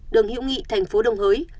đường hiễu nghị thành phố đồng hới